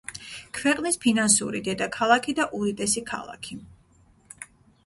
ქვეყნის ფინანსური დედაქალაქი და უდიდესი ქალაქი.